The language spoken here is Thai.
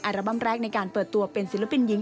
อัลบั้มแรกในการเปิดตัวเป็นศิลปินหญิง